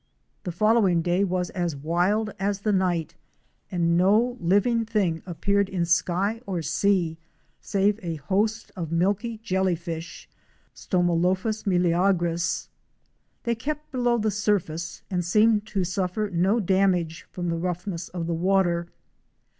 The following day was as wild as the night, and no living thing appeared in sky or sea, save a host of milky jelly fish (Stomolophus meleagris). 'They kept below the surface, and seemed to suffer no damage from the roughness of the water.